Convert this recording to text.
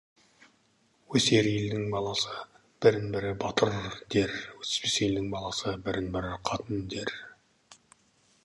Өсер елдің баласы бірін-бірі «батыр» дер, өспес елдің баласы бірін-бір «қатын» дер.